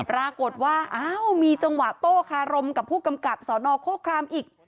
รากฏว่ามีจังหวะโต้คารมกับผู้กำกัดสอนอโครครามอีก